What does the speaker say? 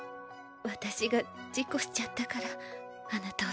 私が事故しちゃったからあなたをそんな。